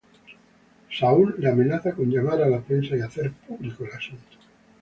Saul le amenaza con llamar a la prensa y hacer público el asunto.